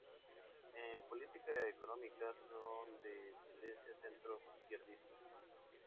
En política económica son de tendencia centro-izquierdista.